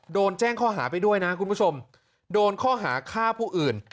โดนแจ้งข้อหาไปด้วยนะคุณผู้ชมโดนข้อหาฆ่าผู้อื่น